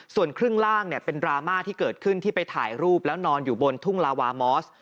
ส่วนครึ่งล่างเป็นดราม่าที่เกิดขึ้นที่ไปถ่ายรูปแล้วนอนอยู่บนทุ่งลาวามอส